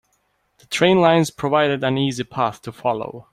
The train lines provided an easy path to follow.